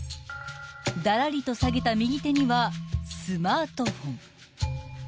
［だらりと下げた右手にはスマートフォン］